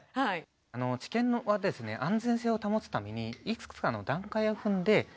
治験はですね安全性を保つためにいくつかの段階を踏んで検証しております。